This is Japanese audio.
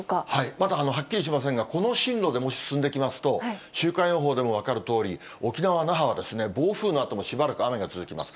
まだはっきりしませんが、この進路でもし進んできますと、週間予報でも分かるとおり、沖縄・那覇は暴風のあとも、しばらく雨が続きます。